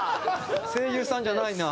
声優さんじゃないな。